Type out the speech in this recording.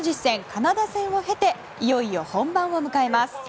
カナダ戦を経ていよいよ本番を迎えます。